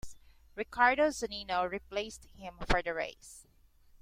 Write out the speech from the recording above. Ricardo Zunino replaced him for the race.